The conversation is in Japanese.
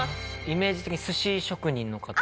イメージ的に寿司職人の方？